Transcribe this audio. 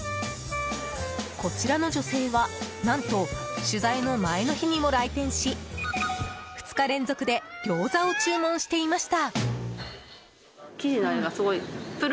こちらの女性は何と取材の前の日にも来店し２日連続で餃子を注文していました。